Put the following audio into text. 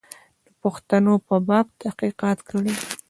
د پښتنو په باب تحقیقات کړي.